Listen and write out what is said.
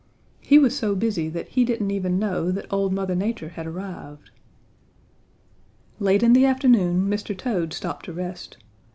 He was so busy that he didn't even know that old Mother Nature had arrived. "Late in the afternoon, Mr. Toad stopped to rest.